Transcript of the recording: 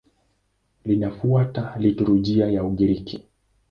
Linafuata liturujia ya Ugiriki.